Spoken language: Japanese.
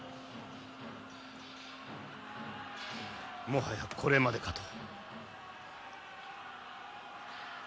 もはやこれまでかと。